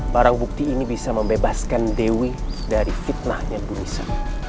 barang bukti ini bisa membebaskan dewi dari fitnahnya bu nisa